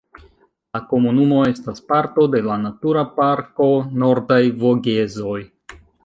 La komunumo estas parto de la Natura Parko Nordaj Vogezoj.